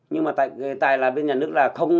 nhưng mà tại là bên nhà nước là không